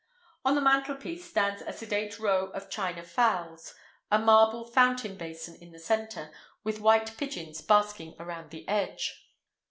On the mantelpiece stands a sedate row of china fowls, a marble fountain basin in the centre, with white pigeons basking around the edge.